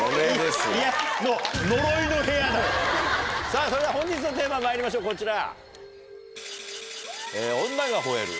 さぁそれでは本日のテーマまいりましょうこちら。